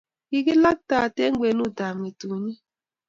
Kikilaktak eng' kwenutab ng'etung'ik